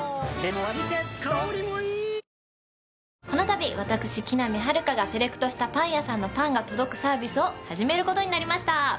このたび私木南晴夏がセレクトしたパン屋さんのパンが届くサービスを始めることになりました